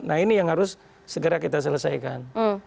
nah ini yang harus segera kita selesaikan